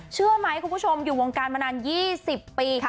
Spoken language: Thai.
เชื่อไหมคุณผู้ชมอยู่วงการมานาน๒๐ปี